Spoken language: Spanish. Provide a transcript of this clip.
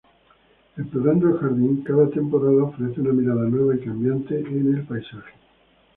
Explorando el jardín cada temporada ofrece una mirada nueva y cambiante en el paisaje.